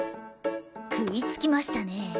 食いつきましたね？